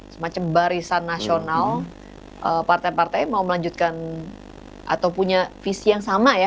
semacam barisan nasional partai partai mau melanjutkan atau punya visi yang sama ya